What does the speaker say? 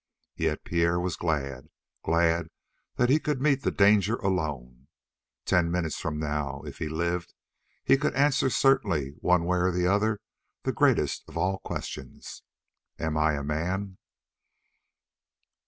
Yet Pierre was glad; glad that he could meet the danger alone; ten minutes from now, if he lived, he could answer certainly one way or the other the greatest of all questions: "Am I a man?"